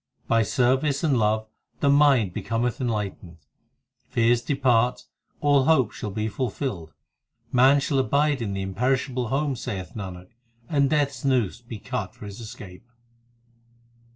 By service and love the mind becometh enlightened, Fears depart, all hopes shall be fulfilled, Man shall abide in the imperishable home, Saith Nanak, and Death s noose be cut for his escape.